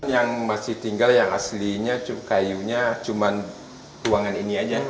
yang masih tinggal yang aslinya kayunya cuma ruangan ini aja